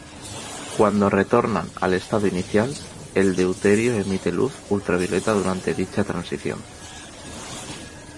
Cuando retornan al estado inicial, el deuterio emite luz ultravioleta durante dicha transición.